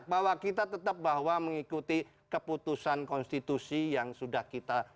bahwa kita tetap bahwa mengikuti keputusan konstitusi yang sudah kita